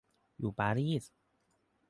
อยู่ปารีส